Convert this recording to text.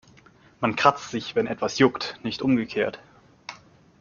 Man kratzt sich, wenn etwas juckt, nicht umgekehrt.